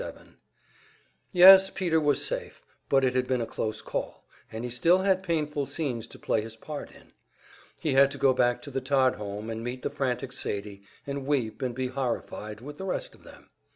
Section 27 Yes, Peter was safe, but it had been a close call, and he still had painful scenes to play his part in. He had to go back to the Todd home and meet the frantic Sadie, and weep and be horrified with the rest of them.